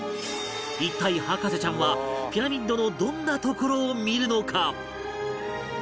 一体博士ちゃんはピラミッドのどんなところを見るのか？